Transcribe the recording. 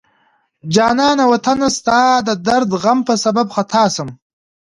جانان وطنه ستا د درد غم په سبب خطا شم